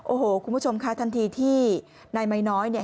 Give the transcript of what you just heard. โอ้โหคุณผู้ชมค่ะทันทีที่นายมัยน้อย